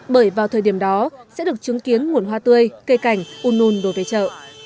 bởi vào thời điểm đó sẽ được chứng kiến nguồn hoa tươi cây cảnh un un đồ về chợ